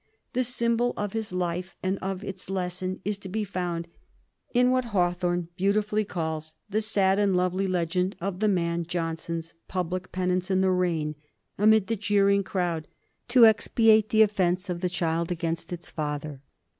The symbol of his life and of its lesson is to be found in what Hawthorne beautifully calls the sad and lovely legend of the man Johnson's public penance in the rain, amid the jeering crowd, to expiate the offence of the child against its father.